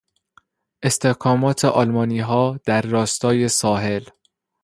استحکامات آلمانیها در راستای ساحل